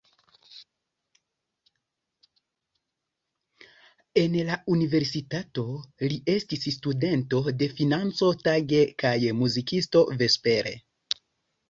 En la universitato li estis studento de financo tage kaj muzikisto vespere.